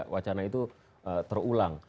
wacana itu terulang